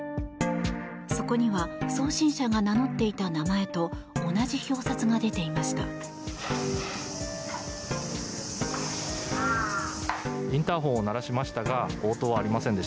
そこには送信者が名乗っていた名前と同じ表札が出ていました。